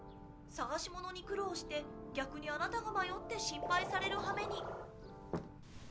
さがし物に苦労して逆にあなたが迷って心配される羽目に。